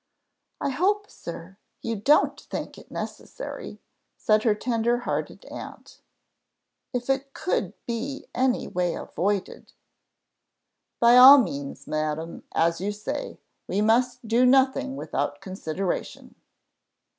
"I hope, sir, you don't think it necessary," said her tender hearted aunt: "if it could be any way avoided " "By all means, madam, as you say. We must do nothing without consideration."